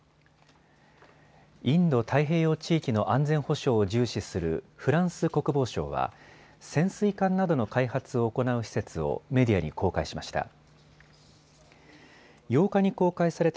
インド太平洋地域の安全保障を重視するフランス国防省は潜水艦などの開発を行う施設をメディアに公開しました。